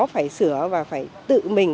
phải sửa và phải tự mình